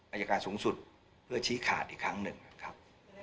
อายการสูงสุดเพื่อชี้ขาดอีกครั้งหนึ่งครับ